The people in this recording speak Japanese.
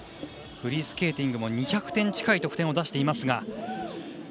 フリースケーティングも２００点近い得点を出しています。